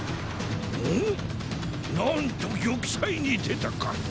ん⁉何と玉砕に出たか⁉